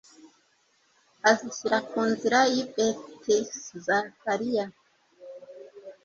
azishyira ku nzira y'i betizakariya